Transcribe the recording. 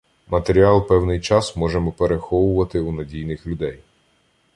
Матеріал певний час можемо переховувати у надійних людей.